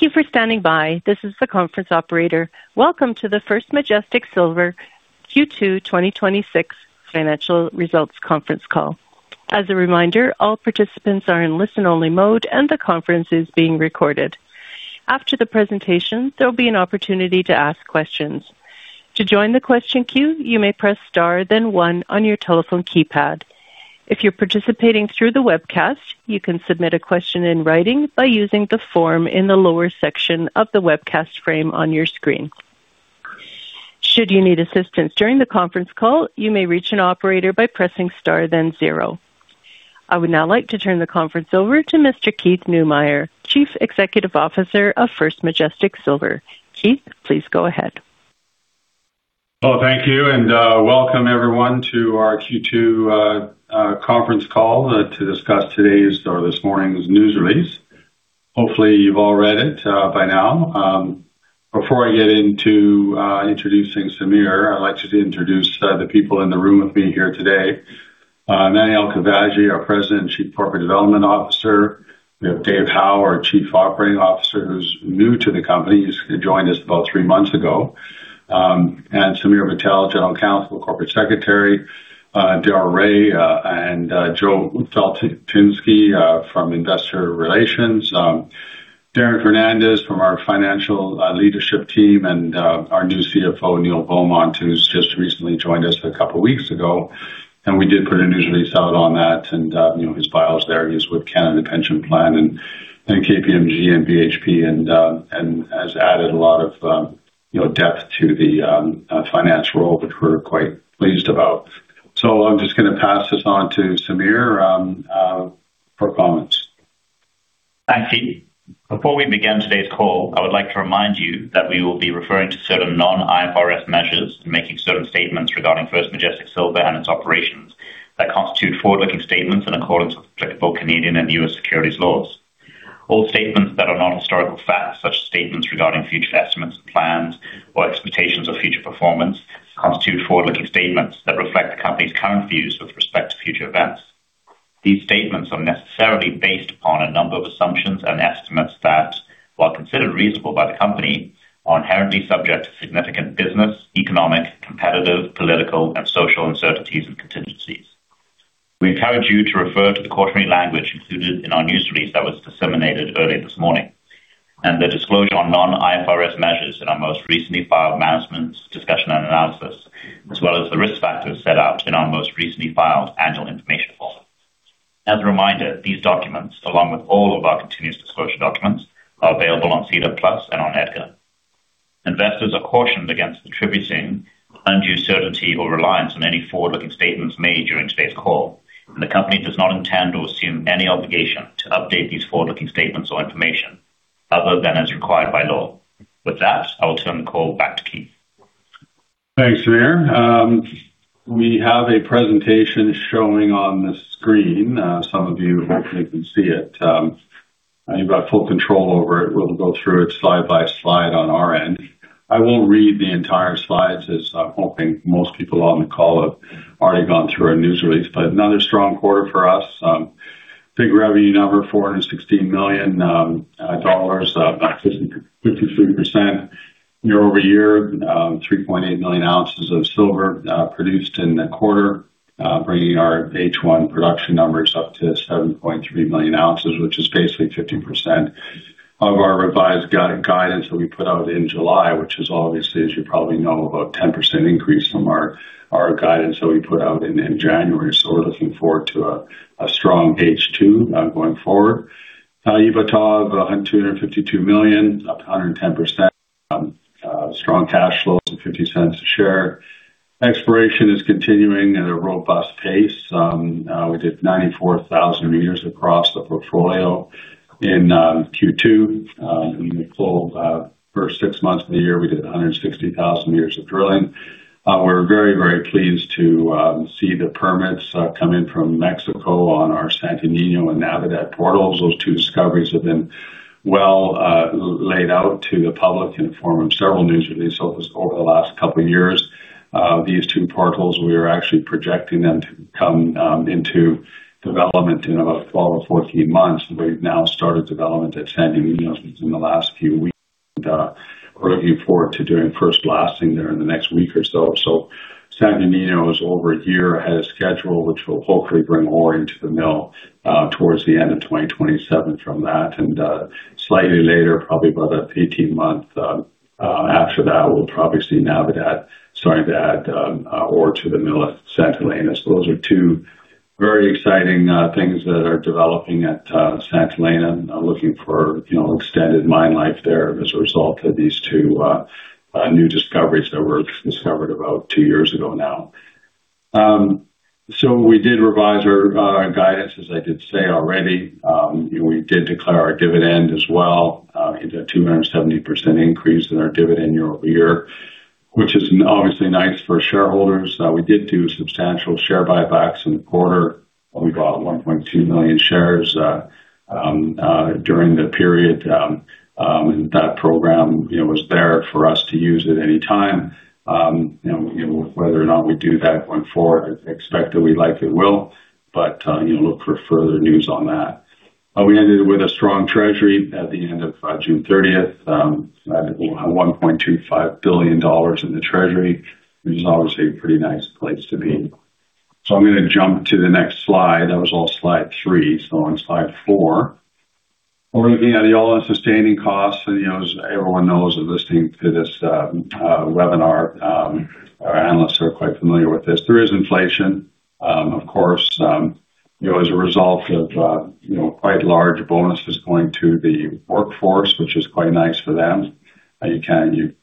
Thank you for standing by. This is the conference operator. Welcome to the First Majestic Silver Q2 2026 Financial Results Conference Call. As a reminder, all participants are in listen-only mode, and the conference is being recorded. After the presentation, there will be an opportunity to ask questions. To join the question queue, you may press star then one on your telephone keypad. If you're participating through the webcast, you can submit a question in writing by using the form in the lower section of the webcast frame on your screen. Should you need assistance during the conference call, you may reach an operator by pressing star then zero. I would now like to turn the conference over to Mr. Keith Neumeyer, Chief Executive Officer of First Majestic Silver. Keith, please go ahead. Well, thank you, and welcome everyone to our Q2 conference call to discuss today's or this morning's news release. Hopefully, you've all read it by now. Before I get into introducing Samir, I'd like to introduce the people in the room with me here today. Manuel Covarrubias, our President and Chief Corporate Development Officer. We have Dave Howe, our Chief Operating Officer, who's new to the company. He's joined us about three months ago. Samir Patel, General Counsel, Corporate Secretary, Darrell Rae, and Joel Faltinsky from Investor Relations, Darren Fernandez from our financial leadership team, and our new CFO, Neil Beaumont, who's just recently joined us a couple of weeks ago. We did put a news release out on that and his bio's there. He was with Canada Pension Plan and KPMG and BHP and has added a lot of depth to the finance role, which we're quite pleased about. I'm just going to pass this on to Samir for comments. Thanks, Keith. Before we begin today's call, I would like to remind you that we will be referring to certain non-IFRS measures in making certain statements regarding First Majestic Silver and its operations that constitute forward-looking statements in accordance with applicable Canadian and U.S. securities laws. All statements that are not historical facts, such statements regarding future estimates, plans, or expectations of future performance, constitute forward-looking statements that reflect the company's current views with respect to future events. These statements are necessarily based upon a number of assumptions and estimates that, while considered reasonable by the company, are inherently subject to significant business, economic, competitive, political, and social uncertainties and contingencies. We encourage you to refer to the cautionary language included in our news release that was disseminated early this morning and the disclosure on non-IFRS measures in our most recently filed management's discussion and analysis, as well as the risk factors set out in our most recently filed annual information form. As a reminder, these documents, along with all of our continuous disclosure documents, are available on SEDAR+ and on EDGAR. Investors are cautioned against attributing undue certainty or reliance on any forward-looking statements made during today's call. The company does not intend or assume any obligation to update these forward-looking statements or information other than as required by law. With that, I will turn the call back to Keith. Thanks, Samir. We have a presentation showing on the screen. Some of you hopefully can see it. You've got full control over it. We'll go through it slide by slide on our end. I won't read the entire slides as I'm hoping most people on the call have already gone through our news release, another strong quarter for us. Big revenue number, $416 million, up 53% year-over-year, 3.8 million ounces of silver produced in the quarter, bringing our H1 production numbers up to 7.3 million ounces, which is basically 50% of our revised guidance that we put out in July, which is obviously, as you probably know, about a 10% increase from our guidance that we put out in January. We're looking forward to a strong H2 going forward. EBITDA of $252 million, up 110%. Strong cash flow of $0.50 a share. Exploration is continuing at a robust pace. We did 94,000 meters across the portfolio in Q2. In the full first six months of the year, we did 160,000 meters of drilling. We're very pleased to see the permits come in from Mexico on our Santo Niño and Navidad portals. Those two discoveries have been well laid out to the public in the form of several news releases over the last couple of years. These two portals, we are actually projecting them to come into development in about 12 or 14 months. We've now started development at Santo Niño in the last few weeks. We're looking forward to doing first blasting there in the next week or so. Santo Niño is over a year ahead of schedule, which will hopefully bring ore into the mill towards the end of 2027 from that, and slightly later, probably about an 18-month after that, we'll probably see Navidad starting to add ore to the mill at Santa Elena. Those are two very exciting things that are developing at Santa Elena. Looking for extended mine life there as a result of these two new discoveries that were discovered about two years ago now. We did revise our guidance, as I did say already. We did declare our dividend as well. We did a 270% increase in our dividend year-over-year, which is obviously nice for shareholders. We did do substantial share buybacks in the quarter. We bought 1.2 million shares during the period. That program was there for us to use at any time. Whether or not we do that going forward, I expect that we likely will, but look for further news on that. We ended with a strong treasury at the end of June 30th. We had $1.25 billion in the treasury, which is obviously a pretty nice place to be. I'm going to jump to the next slide. That was all slide three. On slide four, we're looking at the all-in sustaining costs. As everyone knows who's listening to this webinar, our analysts are quite familiar with this. There is inflation, of course, as a result of quite large bonuses going to the workforce, which is quite nice for them. You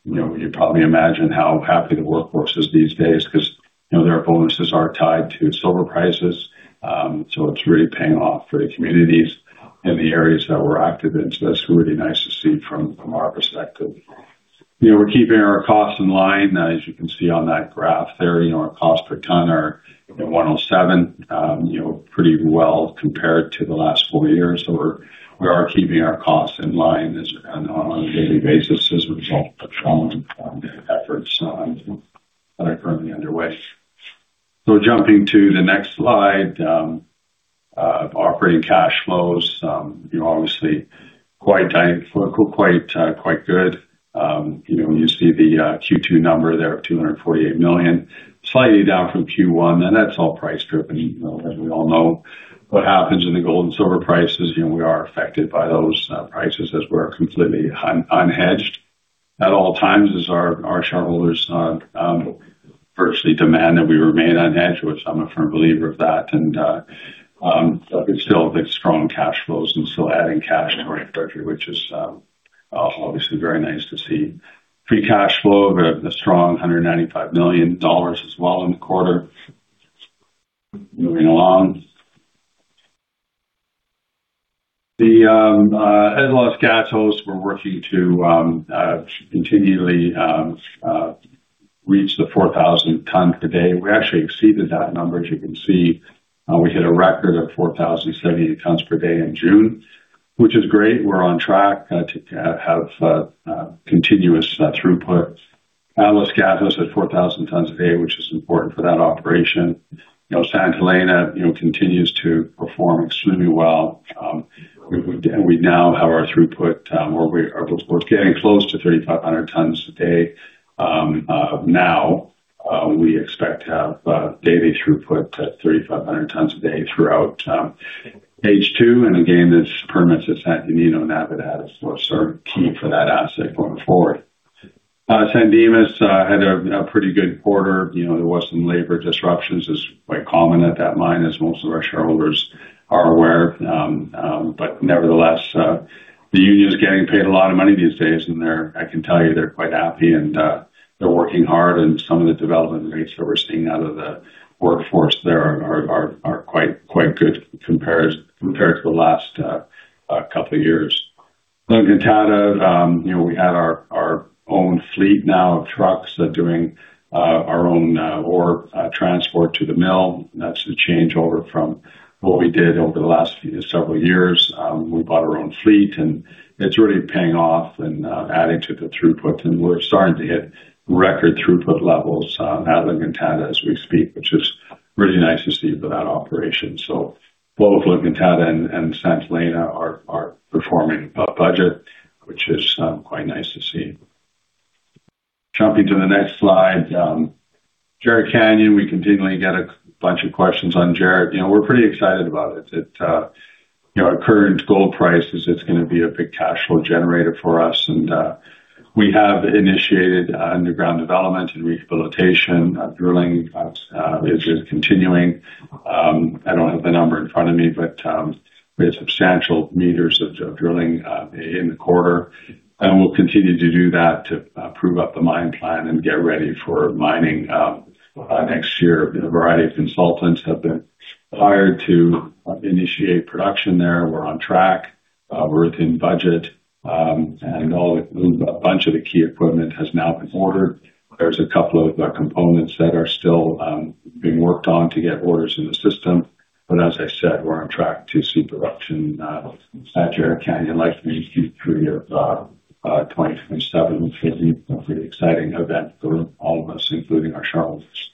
probably imagine how happy the workforce is these days because their bonuses are tied to silver prices. It's really paying off for the communities in the areas that we're active in. That's really nice to see from our perspective. We're keeping our costs in line. As you can see on that graph there, our cost per ton are 107. Pretty well compared to the last four years. We are keeping our costs in line on a daily basis as a result of the prominent efforts that are currently underway. Jumping to the next slide, operating cash flows, obviously quite good. You see the Q2 number there of $248 million, slightly down from Q1, that's all price driven. We all know what happens in the gold and silver prices, we are affected by those prices, we're completely unhedged at all times, our shareholders virtually demand that we remain unhedged, which I'm a firm believer of that. We still have the strong cash flows and still adding cash in our treasury, which is obviously very nice to see. Free cash flow of a strong $195 million as well in the quarter. Moving along. At Los Gatos, we're working to continually reach the 4,000 tons a day. We actually exceeded that number. As you can see, we hit a record of 4,070 tons per day in June, which is great. We're on track to have continuous throughput at Los Gatos at 4,000 tons a day, which is important for that operation. Santa Elena continues to perform extremely well. We now have our throughput where we are getting close to 3,500 tons a day. We expect to have daily throughput at 3,500 tons a day throughout H2. Again, this permits the Santo Niño and Navidad is key for that asset going forward. San Dimas had a pretty good quarter. There was some labor disruptions as quite common at that mine, as most of our shareholders are aware. Nevertheless, the union is getting paid a lot of money these days, I can tell you, they're quite happy and they're working hard, some of the development rates that we're seeing out of the workforce there are quite good compared to the last couple of years. La Encantada, we had our own fleet now of trucks doing our own ore transport to the mill. That's the changeover from what we did over the last several years. We bought our own fleet, it's really paying off and adding to the throughput, we're starting to hit record throughput levels at La Encantada as we speak, which is really nice to see for that operation. Both La Encantada and Santa Elena are performing above budget, which is quite nice to see. Jumping to the next slide. Jerritt Canyon, we continually get a bunch of questions on Jerritt. We're pretty excited about it. At current gold prices, it's going to be a big cash flow generator for us. We have initiated underground development and rehabilitation. Drilling is continuing. I don't have the number in front of me, we have substantial meters of drilling in the quarter, and we'll continue to do that to prove up the mine plan and get ready for mining next year. A variety of consultants have been hired to initiate production there. We're on track. We're within budget. A bunch of the key equipment has now been ordered. There's a couple of components that are still being worked on to get orders in the system. As I said, we're on track to see production at Jerritt Canyon likely in Q3 2027, which will be a pretty exciting event for all of us, including our shareholders.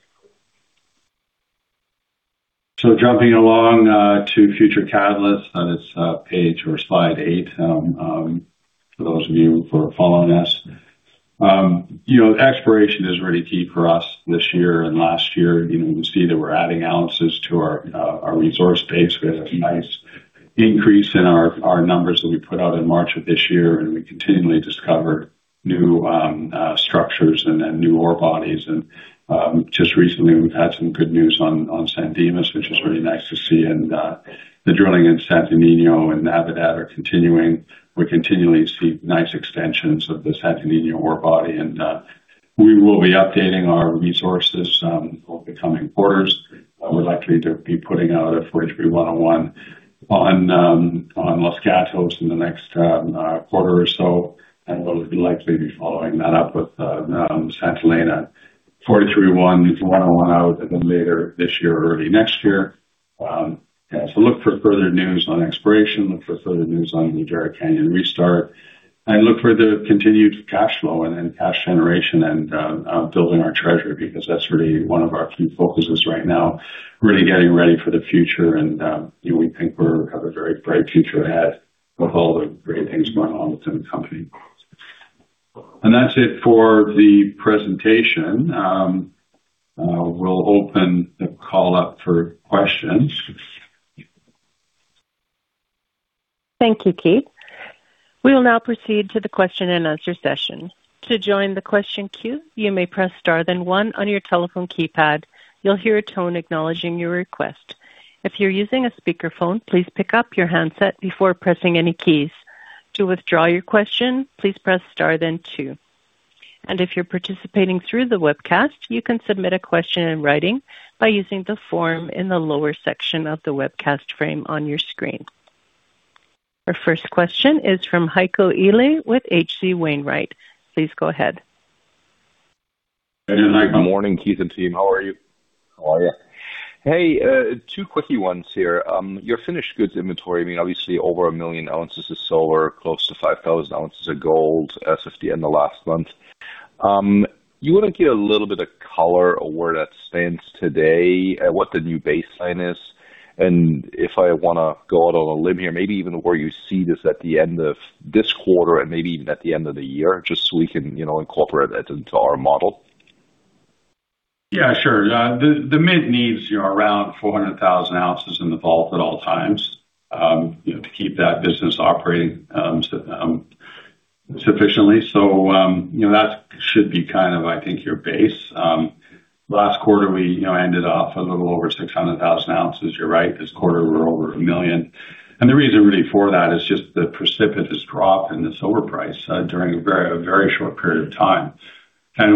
Jumping along to future catalysts. That is page or slide eight for those of you who are following us. Exploration is really key for us this year and last year. You can see that we're adding ounces to our resource base. We had a nice increase in our numbers that we put out in March of this year, we continually discover new structures new ore bodies. Just recently, we've had some good news on San Dimas, which is really nice to see. The drilling in Santo Niño and Navidad are continuing. We continually see nice extensions of the Santo Niño ore body, and we will be updating our resources over the coming quarters. We're likely to be putting out a 43-101 on Los Gatos in the next quarter or so, and we'll likely be following that up with Santa Elena 43-101 out a bit later this year or early next year. Look for further news on exploration. Look for further news on the Jerritt Canyon restart. I look for the continued cash flow and cash generation and building our treasury, because that's really one of our key focuses right now, really getting ready for the future. We think we have a very bright future ahead with all the great things going on within the company. That's it for the presentation. We'll open the call up for questions. Thank you, Keith. We will now proceed to the question and answer session. To join the question queue, you may press star then one on your telephone keypad. You'll hear a tone acknowledging your request. If you're using a speakerphone, please pick up your handset before pressing any keys. To withdraw your question, please press star then two. If you're participating through the webcast, you can submit a question in writing by using the form in the lower section of the webcast frame on your screen. Our first question is from Heiko Ihle with H.C. Wainwright. Please go ahead. Good morning, Keith and team. How are you? How are you? Hey, two quickie ones here. Your finished goods inventory, obviously over 1 million ounces of silver, close to 5,000 ounces of gold, as of the end of last month. Do you want to give a little bit of color of where that stands today, what the new baseline is? If I want to go out on a limb here, maybe even where you see this at the end of this quarter and maybe even at the end of the year, just so we can incorporate that into our model. Yeah, sure. The mint needs around 400,000 ounces in the vault at all times to keep that business operating sufficiently. That should be I think your base. Last quarter, we ended off a little over 600,000 ounces. You're right, this quarter we're over 1 million. The reason really for that is just the precipitous drop in the silver price during a very short period of time.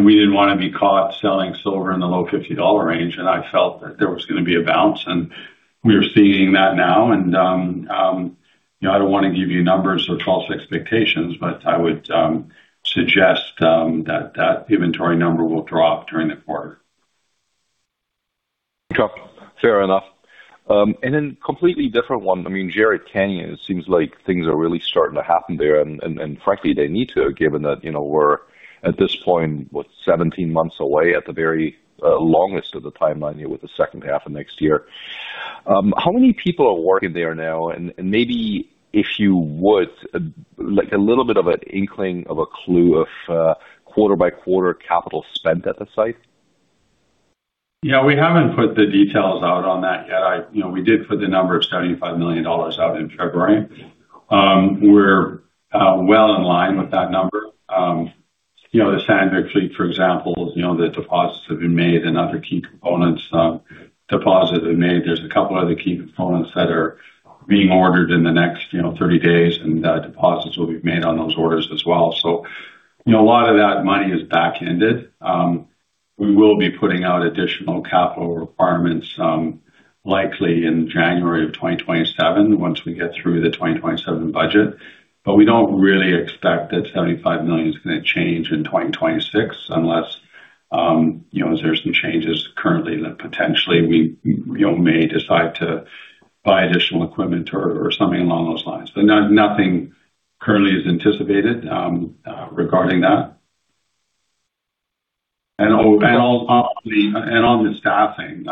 We didn't want to be caught selling silver in the low $50 range, and I felt that there was going to be a bounce, and we are seeing that now. I don't want to give you numbers or false expectations, but I would suggest that that inventory number will drop during the quarter. Fair enough. Then completely different one. Jerritt Canyon, it seems like things are really starting to happen there, and frankly, they need to, given that we're at this point, what, 17 months away at the very longest of the timeline here with the second half of next year. How many people are working there now? Maybe if you would, a little bit of an inkling of a clue of quarter by quarter capital spent at the site. Yeah, we haven't put the details out on that yet. We did put the number of $75 million out in February. We're well in line with that number. The sand treat, for example, the deposits have been made and other key components deposits have been made. There's a couple of other key components that are being ordered in the next 30 days, and deposits will be made on those orders as well. A lot of that money is backended. We will be putting out additional capital requirements likely in January of 2027, once we get through the 2027 budget. We don't really expect that $75 million is going to change in 2026 unless there's some changes currently that potentially we may decide to buy additional equipment or something along those lines. Nothing currently is anticipated regarding that. On the staffing,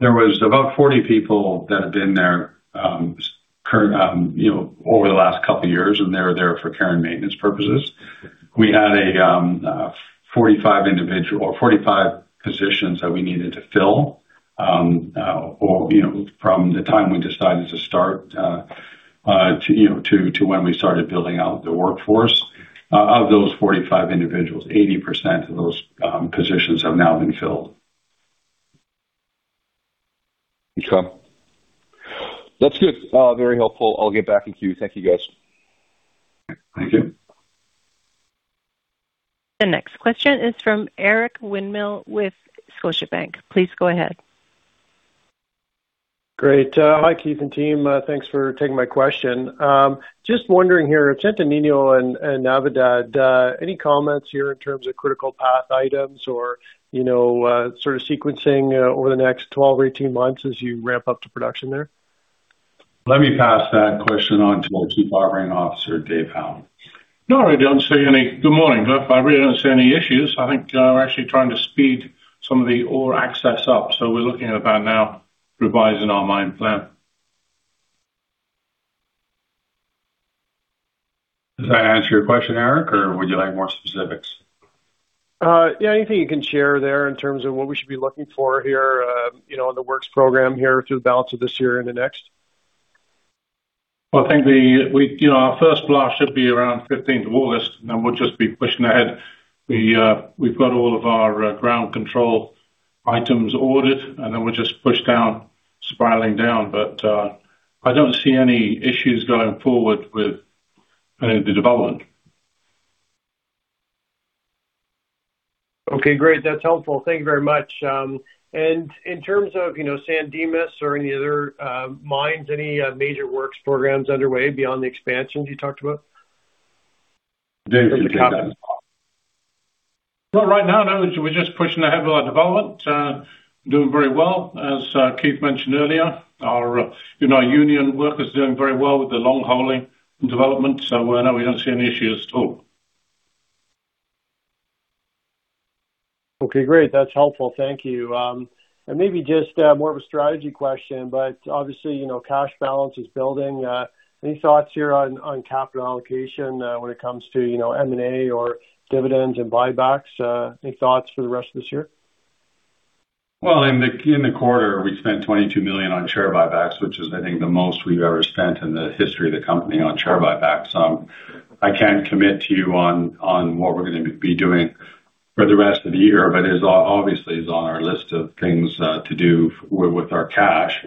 there was about 40 people that have been there over the last couple of years, and they were there for care and maintenance purposes. We had 45 positions that we needed to fill from the time we decided to start to when we started building out the workforce. Of those 45 individuals, 80% of those positions have now been filled. Okay. That's good. Very helpful. I'll get back in queue. Thank you, guys. Thank you. The next question is from Eric Winmill with Scotiabank. Please go ahead. Great. Hi, Keith and team. Thanks for taking my question. Just wondering here, Santo Niño and Navidad, any comments here in terms of critical path items or sequencing over the next 12 or 18 months as you ramp up to production there? Let me pass that question on to our Chief Operating Officer, David Howe. No, I don't see any Good morning. I really don't see any issues. I think we're actually trying to speed some of the ore access up. We're looking at about now revising our mine plan. Does that answer your question, Eric, or would you like more specifics? Yeah, anything you can share there in terms of what we should be looking for here in the works program here through the balance of this year and the next? Well, I think our first blast should be around 15th of August. Then we'll just be pushing ahead. We've got all of our ground control items ordered. Then we'll just push down, spiraling down. I don't see any issues going forward with the development. Okay, great. That's helpful. Thank you very much. In terms of San Dimas or any other mines, any major works programs underway beyond the expansions you talked about? Dave, did you get that? Well, right now, no, we're just pushing ahead with our development. Doing very well, as Keith mentioned earlier. Our Union work is doing very well with the long hauling development. No, we don't see any issue at all. Okay, great. That's helpful, thank you. Maybe just more of a strategy question, obviously, cash balance is building. Any thoughts here on capital allocation when it comes to M&A or dividends and buybacks? Any thoughts for the rest of this year? Well, in the quarter, we spent $22 million on share buybacks, which is, I think, the most we've ever spent in the history of the company on share buybacks. I can't commit to you on what we're going to be doing for the rest of the year. It obviously is on our list of things to do with our cash.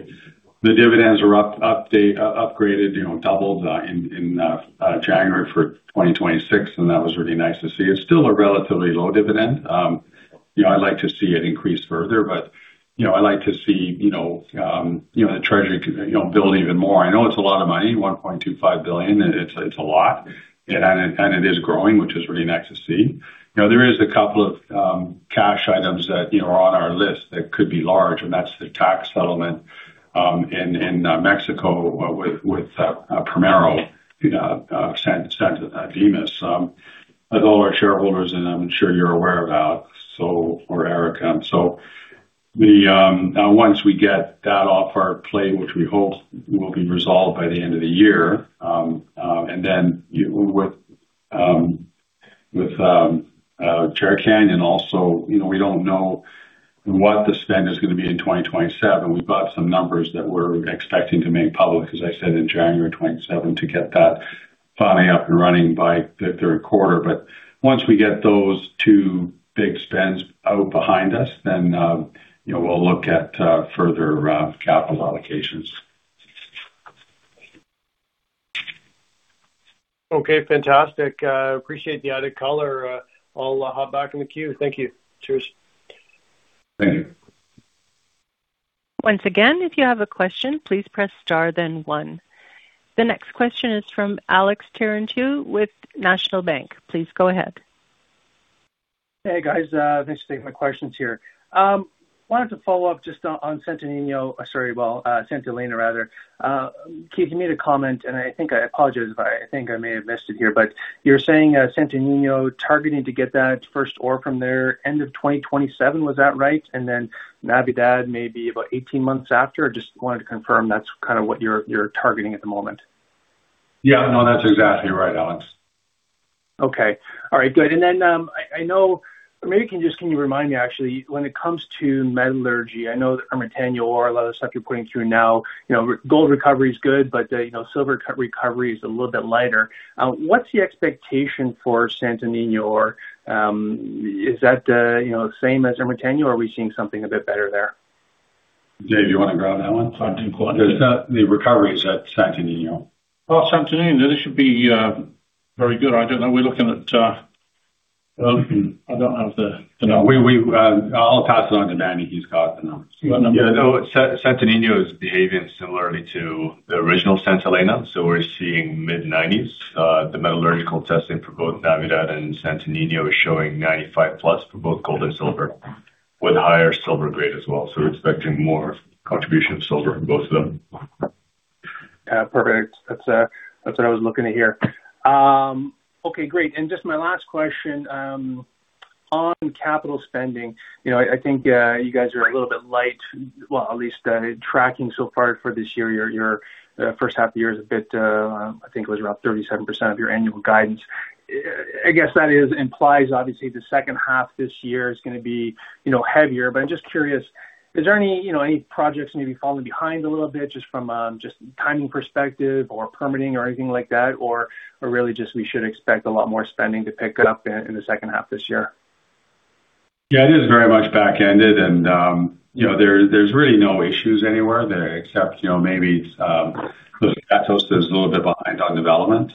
The dividends were upgraded, doubled, in January for 2026. That was really nice to see. It's still a relatively low dividend. I'd like to see it increase further. I like to see the treasury build even more. I know it's a lot of money, $1.25 billion. It's a lot. It is growing, which is really nice to see. There is a couple of cash items that are on our list that could be large. That's the tax settlement in Mexico with Primero San Dimas, as all our shareholders. I'm sure you're aware about, so are Eric. Once we get that off our plate, which we hope will be resolved by the end of the year. With Jerritt Canyon also, we don't know what the spend is going to be in 2027. We've got some numbers that we're expecting to make public, as I said, in January 2027 to get that finally up and running by the third quarter. Once we get those two big spends out behind us, then we'll look at further capital allocations. Okay, fantastic. Appreciate the added color. I'll hop back in the queue. Thank you. Cheers. Thank you. Once again, if you have a question, please press star then one. The next question is from Alex Taranu with National Bank. Please go ahead. Hey, guys. Thanks. I have my questions here. Wanted to follow up just on Santo Niño, sorry, well, Santa Elena rather. Keith, you made a comment, and I apologize if I think I may have missed it here, but you're saying Santo Niño targeting to get that first ore from there end of 2027, was that right? Navidad maybe about 18 months after? I just wanted to confirm that's what you're targeting at the moment. Yeah, no, that's exactly right, Alex. Okay. All right, good. Maybe can you just remind me, actually. When it comes to metallurgy, I know that Ermitaño ore, a lot of the stuff you're putting through now, gold recovery is good, but silver recovery is a little bit lighter. What's the expectation for Santo Niño ore? Is that the same as Ermitaño, or are we seeing something a bit better there? Dave, do you want to grab that one? I do. The recoveries at Santo Niño. Well, Santo Niño, they should be very good. I don't know. I don't have the number. I'll pass it on to Danny. He's got the numbers. Santo Niño is behaving similarly to the original Santa Elena, so we're seeing mid-90s. The metallurgical testing for both Navidad and Santo Niño is showing 95+ for both gold and silver, with higher silver grade as well. We're expecting more contribution of silver from both of them. Perfect. That's what I was looking to hear. Okay, great. Just my last question, on capital spending, I think you guys are a little bit light. Well, at least tracking so far for this year, your first half of the year is I think it was around 37% of your annual guidance. I guess that implies, obviously, the second half this year is going to be heavier. I'm just curious, is there any projects maybe falling behind a little bit just from just timing perspective or permitting or anything like that, or really just we should expect a lot more spending to pick up in the second half this year? It is very much back-ended, there's really no issues anywhere there except maybe Los Gatos is a little bit behind on development.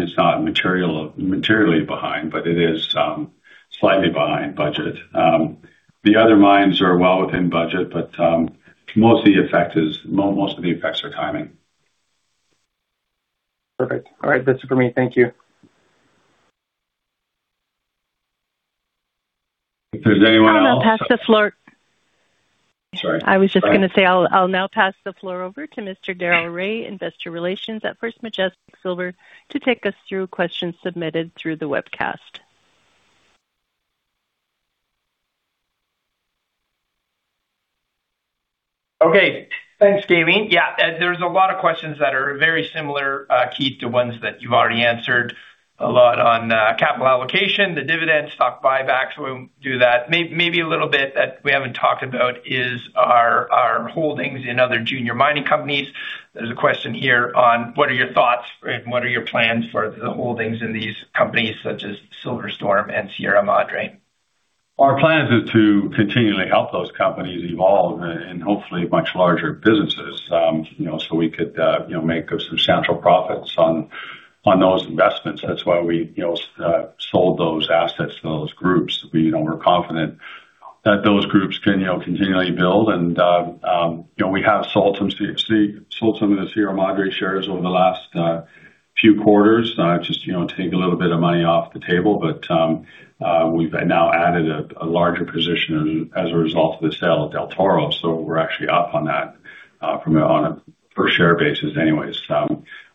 It's not materially behind, it is slightly behind budget. The other mines are well within budget, most of the effects are timing. Perfect. All right. That's it for me. Thank you. If there's anyone else. I'll now pass the floor. Sorry. I was just going to say, I'll now pass the floor over to Mr. Darrell Rae, Investor Relations at First Majestic Silver, to take us through questions submitted through the webcast. Okay, thanks, Galeen. There's a lot of questions that are very similar, Keith, to ones that you've already answered a lot on capital allocation, the dividends, stock buybacks. We'll do that. Maybe a little bit that we haven't talked about is our holdings in other junior mining companies. There's a question here on what are your thoughts and what are your plans for the holdings in these companies such as Silver Storm and Sierra Madre? Our plan is to continually help those companies evolve in hopefully much larger businesses, we could make some central profits on those investments. That's why we sold those assets to those groups. We're confident that those groups can continually build. We have sold some of the Sierra Madre shares over the last few quarters, just to take a little bit of money off the table. We've now added a larger position as a result of the sale of Del Toro, so we're actually up on that on a per share basis anyways,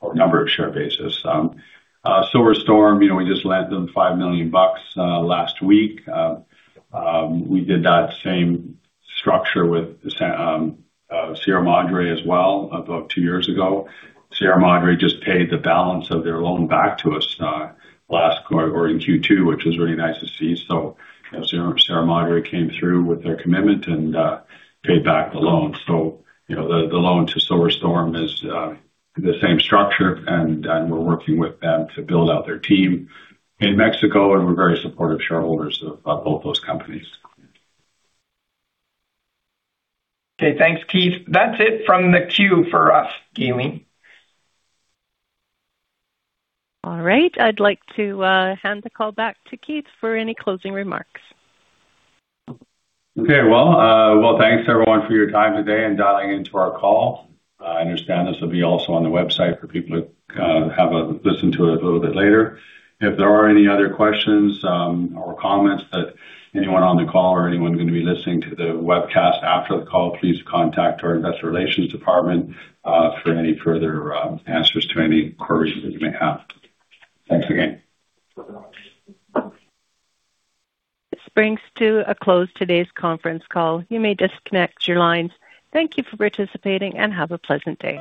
or number of share basis. Silver Storm, we just lent them $5 million bucks last week. We did that same structure with Sierra Madre as well about two years ago. Sierra Madre just paid the balance of their loan back to us in Q2, which was really nice to see. Sierra Madre came through with their commitment and paid back the loan. The loan to Silver Storm is the same structure, we're working with them to build out their team in Mexico, we're very supportive shareholders of both those companies. Okay, thanks, Keith. That's it from the queue for us, Gaming. All right. I'd like to hand the call back to Keith for any closing remarks. Okay. Well, thanks everyone for your time today and dialing into our call. I understand this will be also on the website for people to have a listen to it a little bit later. If there are any other questions or comments that anyone on the call or anyone going to be listening to the webcast after the call, please contact our investor relations department for any further answers to any queries that you may have. Thanks again. This brings to a close today's conference call. You may disconnect your lines. Thank you for participating, and have a pleasant day.